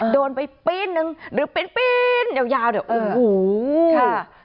โดนไปปี๊นหนึ่งหรือเป็นปี๊นยาวเนี่ยโอ้โห